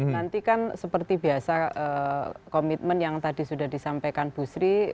nanti kan seperti biasa komitmen yang tadi sudah disampaikan bu sri